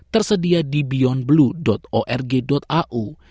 tersedia di beyondblue org au